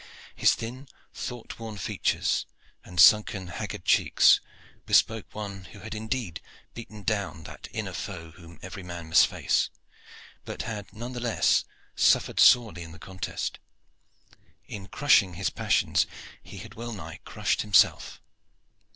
His thin, thought worn features and sunken, haggard cheeks bespoke one who had indeed beaten down that inner foe whom every man must face, but had none the less suffered sorely in the contest. In crushing his passions he had well nigh crushed himself.